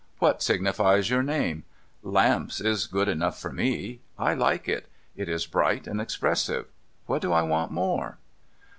' What signifies your name ? Lamps is name enough for me. I like it. It is bright and expressive. What do I want more